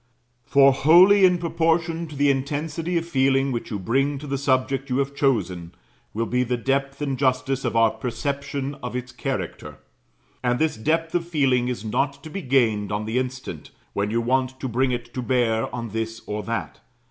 For, wholly in proportion to the intensity of feeling which you bring to the subject you have chosen, will be the depth and justice of our perception of its character. And this depth of feeling is not to be gained on the instant, when you want to bring it to bear on this or that.